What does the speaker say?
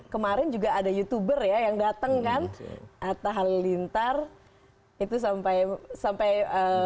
kemarin juga ada youtuber ya yang datang kan atta halilintar itu sampai sampai